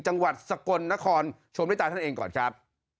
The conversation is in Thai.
จังหวัดสกลนครชมด้วยตาท่านเองก่อนครับ